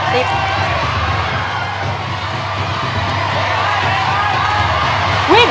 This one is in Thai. เร็ว